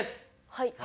はい。